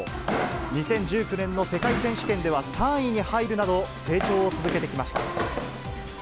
２０１９年の世界選手権では３位に入るなど、成長を続けてきました。